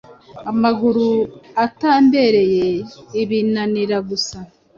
Amaguru atambereye ibinanira gusa